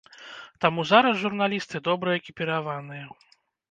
Таму зараз журналісты добра экіпіраваныя.